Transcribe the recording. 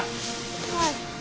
はい。